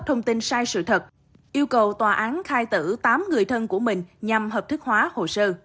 thông tin sai sự thật yêu cầu tòa án khai tử tám người thân của mình nhằm hợp thức hóa hồ sơ